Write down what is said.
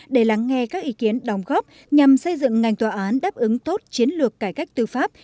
để lắng nghe các ý kiến đồng góp nhằm xây dựng ngành tòa án đáp ứng tốt chiến lược cải cách tư pháp